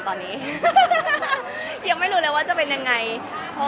ถ้าพูดถามบ้านอยู่ค่ะ